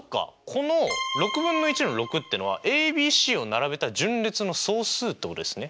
この６分の１の６っていうのはＡＢＣを並べた順列の総数ってことですね。